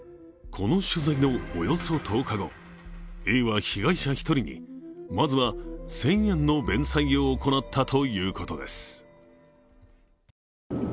この取材のおよそ１０日後、Ａは被害者１人にまずは１０００円の弁済を行ったということです。